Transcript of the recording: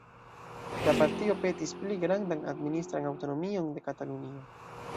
La partio petis pli grandan administran aŭtonomion de Katalunio.